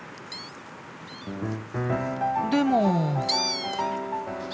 でも。